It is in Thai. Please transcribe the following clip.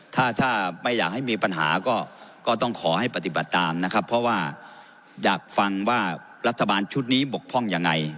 ถ้าถ้าไม่อยากให้มีปัญหาก็ต้องขอให้ปฏิบัติตามนะครับเพราะว่าอยากฟังว่ารัฐบาลชุดนี้บกพร่องยังไง